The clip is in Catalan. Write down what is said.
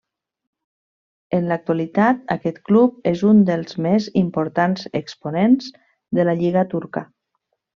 En l'actualitat aquest club és un dels més importants exponents de la lliga turca.